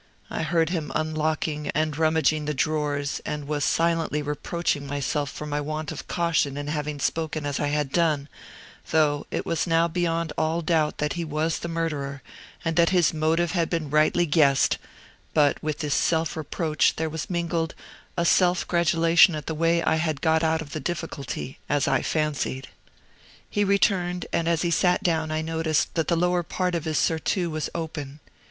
I heard him unlocking and rummaging the drawers, and was silently reproaching myself for my want of caution in having spoken as I had done, though it was now beyond all doubt that he was the murderer, and that his motive had been rightly guessed; but with this self reproach there was mingled a self gratulation at the way I had got out of the difficulty, as I fancied. He returned, and as he sat down I noticed that the lower part of his surtout was open.